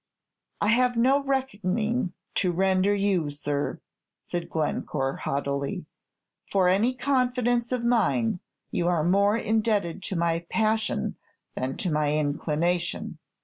"I have no reckoning to render you, sir," said Glencore, haughtily; "for any confidence of mine, you are more indebted to my passion than to my inclination.